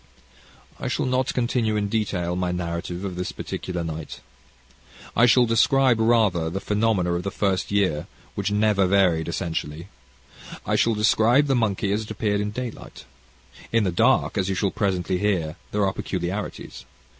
"I shall not continue in detail my narrative of this particular night. I shall describe, rather, the phenomena of the first year, which never varied, essentially. I shall describe the monkey as it appeared in daylight. In the dark, as you shall presently hear, there are peculiarities.